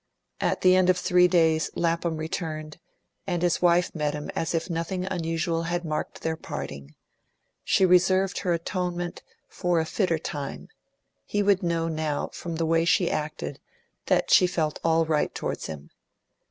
At the end of three days Lapham returned, and his wife met him as if nothing unusual had marked their parting; she reserved her atonement for a fitter time; he would know now from the way she acted that she felt all right towards him.